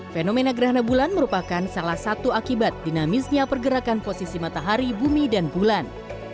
fenomena gerhana bulan merupakan salah satu akibat dinamisnya pergerakan posisi matahari bumi dan bulan